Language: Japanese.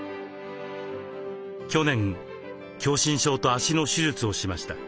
去年狭心症と脚の手術をしました。